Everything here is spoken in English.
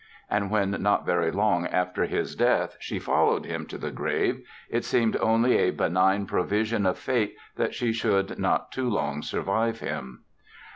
And when, not very long after his death she followed him to the grave it seemed only a benign provision of fate that she should not too long survive him.